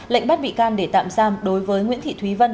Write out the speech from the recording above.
lệnh bắt bị can để tạm giam đối với nguyễn thị thúy vân